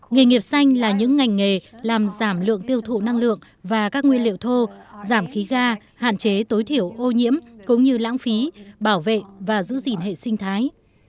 nghề nghiệp xanh là những ngành nghề làm giảm lượng tiêu thụ năng lượng và các nguyên liệu thô giảm khí ga hạn chế tối thiểu ô nhiễm cũng như lãng phí bảo vệ và giữ gìn hệ sinh thái